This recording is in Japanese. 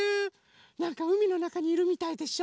なんかうみのなかにいるみたいでしょ。